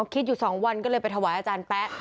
คิดอยู่๒วันก็เลยไปถวายอาจารย์แป๊ะ